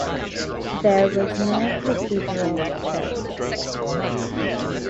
There was no cathedral church.